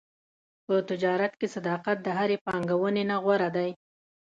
په تجارت کې صداقت د هرې پانګونې نه غوره دی.